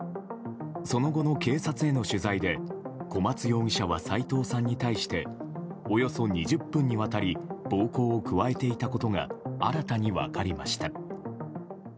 その後の警察への取材で小松容疑者は斎藤さんに対しておよそ２０分にわたり暴行を加えていたことが新たに分かりました。